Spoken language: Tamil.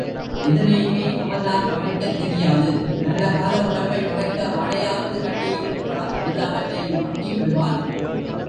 எதனையுமே அவனால் மறைக்கத் தெரியாது நல்ல காலம் உடம்பை மறைக்க ஆடையாவது கட்டி இருக்கிறான் எல்லாவற்றையும் கொட்டிவிடுவான்.